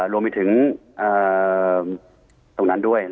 รวมไปถึงตรงนั้นด้วย